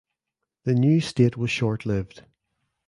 The new state was shortlived.